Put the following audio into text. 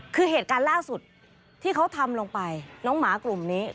ขึ่งล่าสุดที่เขาทำลงไปน้องหมากลุ่มนี้